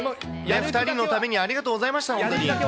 ２人の旅にありがとうございました、本当に。